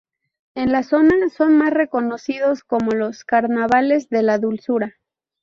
En la zona son más reconocidos como los "Carnavales de la Dulzura".